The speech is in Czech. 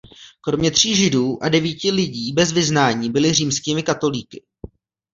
Kromě tří židů a devíti lidí bez vyznání byli římskými katolíky.